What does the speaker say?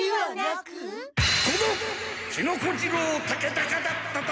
この木野小次郎竹高だったとは！